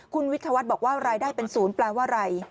คุณวิทยาวัฒน์บอกว่ารายได้เป็นศูนย์แปลว่าอะไร